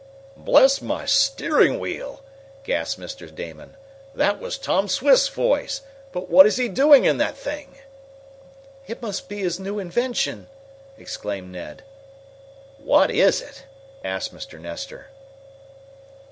"Bless my steering wheel!" gasped Mr. Damon, "that was Tom Swift's voice! But what is he doing in that thing?" "It must be his new invention!" exclaimed Ned. "What is it?" asked Mr. Nestor.